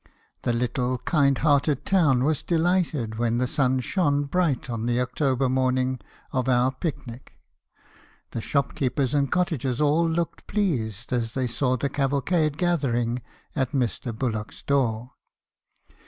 The little, kind hearted town was delighted when the sun shone bright on the October morning of our pic nic ; the shopkeepers and cottagers all looked pleased as they saw the cavalcade gathering at Mr. Bullock's door.